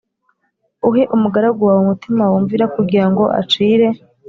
Uhe umugaragu wawe umutima wumvira kugira ngo acire